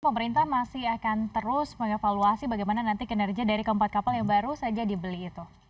pemerintah masih akan terus mengevaluasi bagaimana nanti kinerja dari keempat kapal yang baru saja dibeli itu